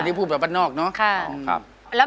อันนี้พูดแบบบ้านนอกเนาะ